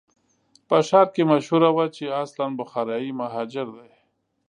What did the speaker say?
په ښار کې مشهوره وه چې اصلاً بخارایي مهاجر دی.